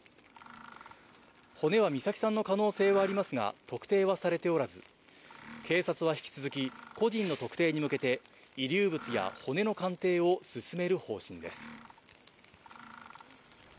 骨は美咲さんの可能性はありますが、特定はされておらず、警察は引き続き、個人の特定に向けて、遺留物や骨の鑑定を進める方針です。